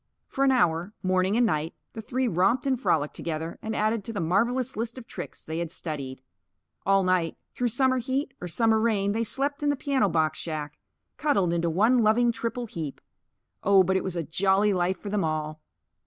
For an hour, morning and night, the three romped and frolicked together and added to the marvelous list of tricks they had studied. All night, through summer heat or summer rain, they slept in the piano box shack, cuddled into one loving triple heap. Oh, but it was a jolly life for them all!